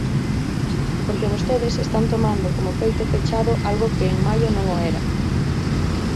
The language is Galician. Porque vostedes están tomando como feito pechado algo que en maio non o era.